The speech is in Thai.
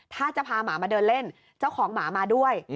ถ้าจะพาหมามาเดินเล่นเจ้าของหมามาด้วย